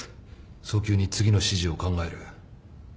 早急に次の指示を考える。